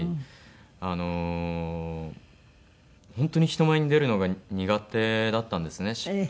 あの本当に人前に出るのが苦手だったんですね